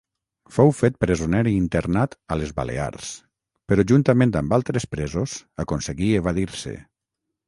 Fou fet presoner i internat a les Balears, però juntament amb altres presos aconseguí evadir-se.